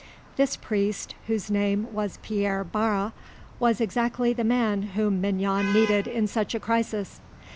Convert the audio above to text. This priest, whose name was Pierre Barre, was exactly the man whom Mignon needed in such a crisis.